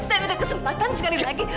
saya minta kesempatan sekali lagi